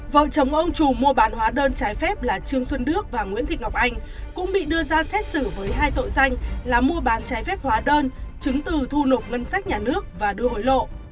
vợ chồng ông trù mua bán hóa đơn trái phép là trương xuân đức và nguyễn thị ngọc anh cũng bị đưa ra xét xử với hai tội danh là mua bán trái phép hóa đơn chứng từ thu nộp ngân sách nhà nước và đưa hối lộ